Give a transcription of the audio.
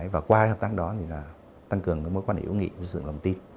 và qua hợp tác đó thì tăng cường mối quan hệ ưu nghị dựng lòng tin